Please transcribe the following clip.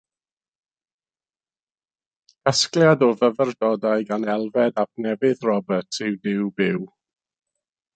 Casgliad o fyfyrdodau gan Elfed ap Nefydd Roberts yw Y Duw Byw.